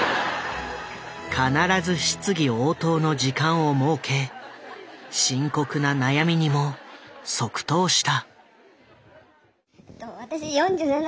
必ず質疑応答の時間を設け深刻な悩みにも即答した。